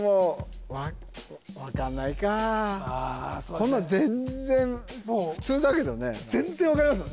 こんなの全然普通だけどね全然分かりますよね